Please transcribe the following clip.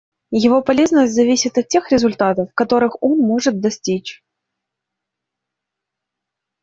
Его полезность зависит от тех результатов, которых он может достичь.